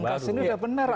dan kalau sini sudah benar